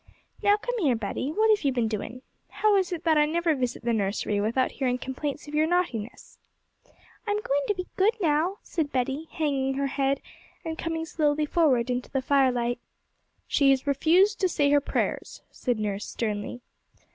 'Now come here, Betty; what have you been doing? How is it that I never visit the nursery without hearing complaints of your naughtiness?' 'I'm going to be good now,' said Betty, hanging her head, and coming slowly forward into the firelight. 'She has refused to say her prayers,' said nurse sternly.